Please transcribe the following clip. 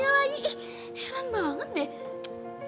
ih heran banget deh